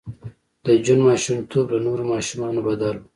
د جون ماشومتوب له نورو ماشومانو بدل و